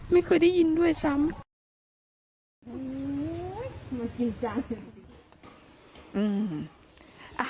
ไม่เคยได้ยินด้วยซ้ำ